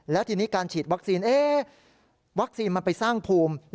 แล้วทีนี้การฉีดวัคซีนวัคซีนมันไปสร้างภูมิ